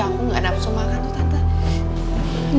aku gak ada apa apa yang mau makan tuh tante